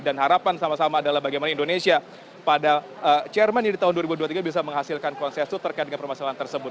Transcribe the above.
dan bagaimana indonesia pada chairman ini di tahun dua ribu dua puluh tiga bisa menghasilkan konsensus terkait dengan permasalahan tersebut